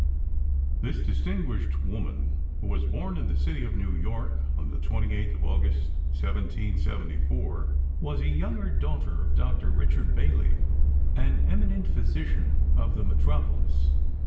This distinguished woman, who was born in the city of New York on the 28th of August, 1774, was a younger daughter of Dr. Richard Bayley, an eminent physician of the metropolis.